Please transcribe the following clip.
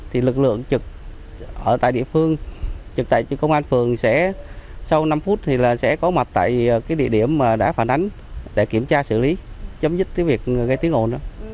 thì lực lượng trực ở tại địa phương trực tại công an phường sẽ sau năm phút thì là sẽ có mặt tại cái địa điểm mà đã phản ánh để kiểm tra xử lý chấm dứt cái việc gây tiếng ồn đó